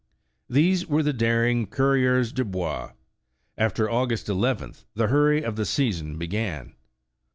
These were the daring coureurs des bois. After August 11th, the hurry of the season began.